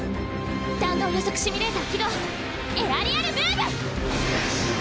弾道予測シミュレーター起動エアリアルムーブ！